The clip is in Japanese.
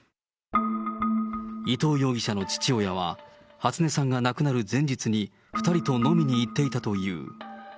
伊藤容疑者の父親は、初音さんが亡くなる前日に、２人と飲みに行っていたという。